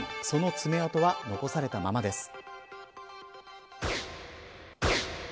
その爪痕は残されたままです。